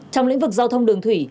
trong lĩnh vực giao thông đường thủy